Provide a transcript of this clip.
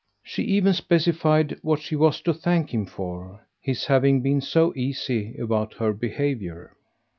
She even specified what she was to thank him for, his having been so easy about her behaviour.